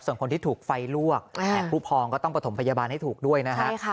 ส่วนคนที่ถูกไฟลวกผู้พองก็ต้องประถมพยาบาลให้ถูกด้วยนะฮะ